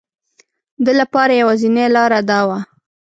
ده لپاره یوازینی لاره دا وه.